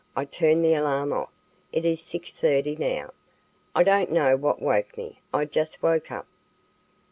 I turned the alarm off. It is 6:30 now. I don't know what woke me. I just woke up."